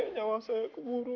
nyawa saya keburu